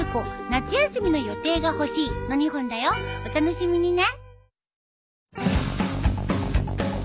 お楽しみにね。